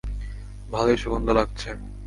ভালোই সুগন্ধ লাগছে।